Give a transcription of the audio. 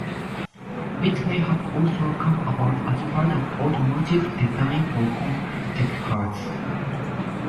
It may have also come about as part of automotive design for concept cars.